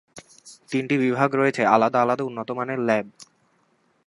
তিনটি বিভাগ রয়েছে আলাদা আলাদা উন্নতমানের ল্যাব।